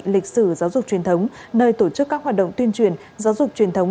lịch sử giáo dục truyền thống nơi tổ chức các hoạt động tuyên truyền giáo dục truyền thống